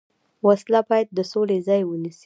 وسله باید د سولې ځای ونیسي